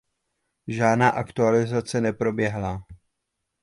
Žádná aktualizace neproběhla.